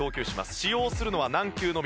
使用するのは軟球のみ。